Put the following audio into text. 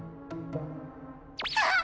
あっ！